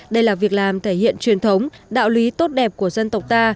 đây là việc làm thể hiện truyền thống đạo lý tốt đẹp của dân tộc ta